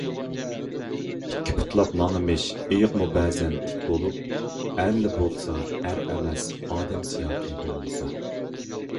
ئىككى پۇتلاپ ماڭىمىش ئىيىقمۇ بەزەن تىك بولۇپ، ئەرلا بولسا ئەر ئەمەس، ئادەم سىياقى بولمىسا.